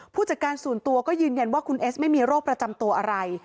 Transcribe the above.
ผู้จัดการส่วนตัวก็ยืนยันว่าคุณเอสไม่มีโรคประจำตัวอะไร